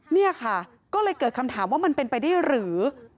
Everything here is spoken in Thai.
เนี่ยค่ะก็เลยเกิดคำถามว่ามันเป็นไปได้หรือ